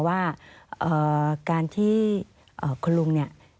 ว่าการที่คุณลุงเนี่ย